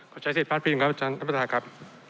น้องปีทาครับ